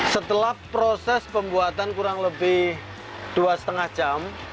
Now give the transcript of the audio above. setelah proses pembuatan kurang lebih dua lima jam